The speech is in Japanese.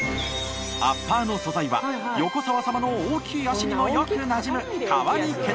アッパーの素材は横澤様の大きい足にもよくなじむ革に決定。